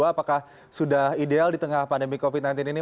apakah sudah ideal di tengah pandemi covid sembilan belas ini